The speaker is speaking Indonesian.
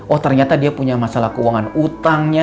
oh ternyata dia punya masalah keuangan utangnya